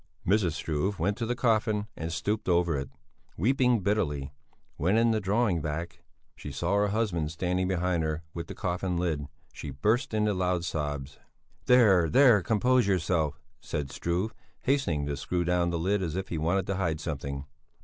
Mrs. Struve went to the coffin and stooped over it, weeping bitterly; when, in drawing back, she saw her husband standing behind her with the coffin lid, she burst into loud sobs. "There, there, compose yourself," said Struve, hastening to screw down the lid as if he wanted to hide something.